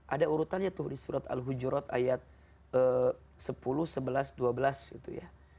ada urutannya tuh di surat al hujurat ayat sepuluh sebelas dua belas gitu ya